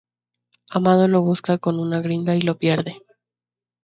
Amado lo busca con una gringa y lo pierde.